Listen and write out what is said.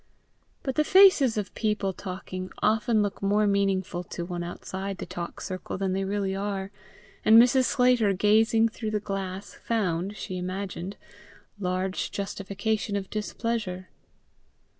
But the faces of people talking often look more meaningful to one outside the talk circle than they really are, and Mrs. Sclater, gazing through the glass, found, she imagined, large justification of displeasure.